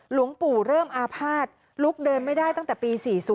หลวงปู่เริ่มอาภาษณ์ลุกเดินไม่ได้ตั้งแต่ปี๔๐